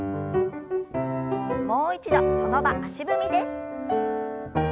もう一度その場足踏みです。